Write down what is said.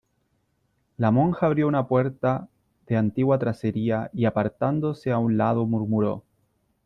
la monja abrió una puerta de antigua tracería , y apartándose a un lado murmuró :